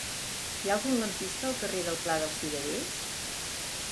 Hi ha algun lampista al carrer del Pla dels Cirerers?